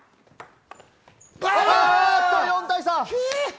４対３！